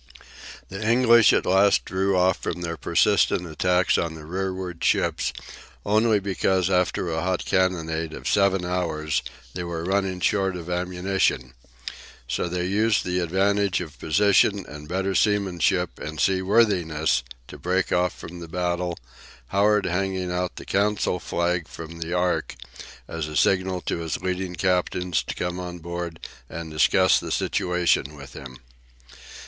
The English at last drew off from their persistent attacks on the rearward ships, only because after a hot cannonade of seven hours they were running short of ammunition; so they used the advantage of position and better seamanship and seaworthiness to break off from the battle, Howard hanging out the "council flag" from the "Ark," as a signal to his leading captains to come on board and discuss the situation with him.